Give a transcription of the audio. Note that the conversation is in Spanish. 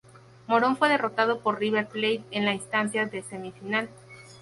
Morón fue derrotado por River Plate en la instancia de semifinal.